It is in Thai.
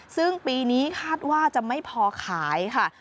ซึ่งปีนี้คาดว่าจะไม่พอขายค่ะ